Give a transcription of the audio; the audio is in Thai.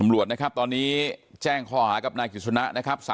ตำรวจนะครับตอนนี้แจ้งข้อหากับนายกฤษณะนะครับ